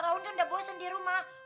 raun kan udah bosen di rumah